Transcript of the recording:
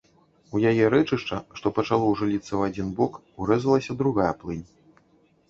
У яе рэчышча, што пачало ўжо ліцца ў адзін бок, урэзалася другая плынь.